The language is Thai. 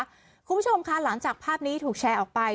คุณผู้ชมค่ะหลังจากภาพนี้ถูกแชร์ออกไป